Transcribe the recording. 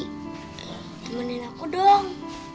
temenin aku dong